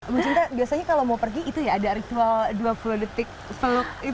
ibu cinta biasanya kalau mau pergi itu ya ada ritual dua puluh detik peluk itu